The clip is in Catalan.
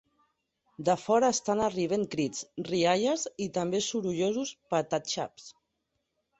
De fora estant arriben crits, rialles i també sorollosos patatxaps.